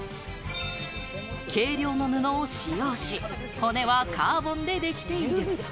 軽量の布を使用し、骨はカーボンでできている。